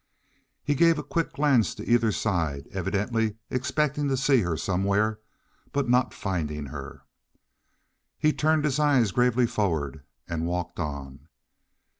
He gave a quick glance to either side, evidently expecting to see her somewhere; but not finding her, he turned his eyes gravely forward and walked on.